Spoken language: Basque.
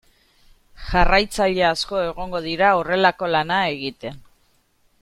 Jarraitzaile asko egongo dira horrelako lana egiten.